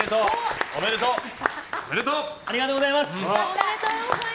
ありがとうございます。